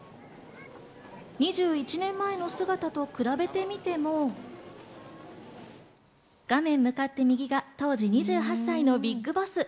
２１年前の姿と比べてみても、画面向かって右が当時２８歳のビッグボス。